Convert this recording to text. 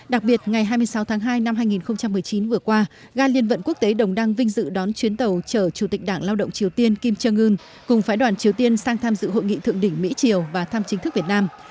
đặc biệt ngày hai mươi sáu tháng hai năm hai nghìn một mươi chín vừa qua ga liên vận quốc tế đồng đăng vinh dự đón chuyến tàu chở chủ tịch đảng lao động triều tiên kim jong un cùng phái đoàn triều tiên sang tham dự hội nghị thượng đỉnh mỹ triều và thăm chính thức việt nam